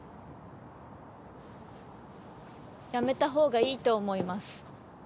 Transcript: やめたほうがいいと思います。